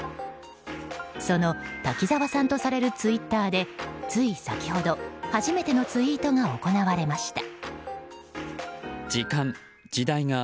その滝沢さんとされるツイッターでつい先ほど初めてのツイートが行われました。